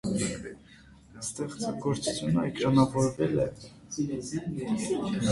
Ստեղծագործությունը էկրանավորվել է։